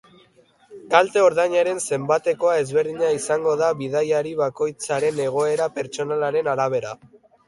Kalte-ordainaren zenbatekoa ezberdina izango da bidaiari bakoitzaren egoera pertsonalaren arabera.